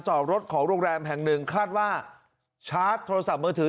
จอดรถของโรงแรมแห่งหนึ่งคาดว่าชาร์จโทรศัพท์มือถือ